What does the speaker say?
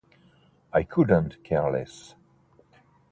I couldn't care less.